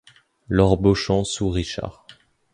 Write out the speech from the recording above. Lord Beauchamp sous Richard